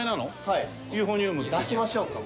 はい。出しましょうか？